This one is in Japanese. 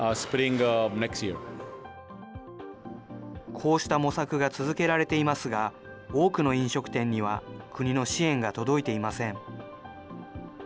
こうした模索が続けられていますが、多くの飲食店には国の支援が届いていません。